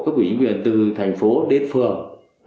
các quỹ nhân viên từ thành phố đến phường